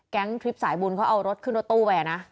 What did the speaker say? ทริปสายบุญเขาเอารถขึ้นรถตู้ไปนะ